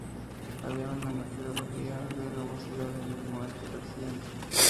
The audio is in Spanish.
Había una meteorología de nubosidad en el momento del accidente.